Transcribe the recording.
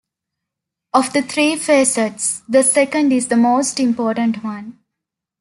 Of the three facets, the second is the most important one.